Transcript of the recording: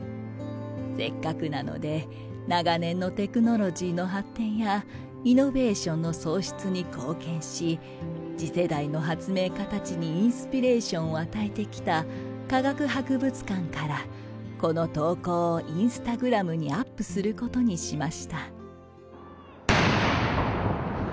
せっかくなので長年のテクノロジーの発展や、イノベーションの創出に貢献し、次世代の発明家たちにインスピレーションを与えてきた科学博物館から、この投稿をインスタグラムにアップすることにしました。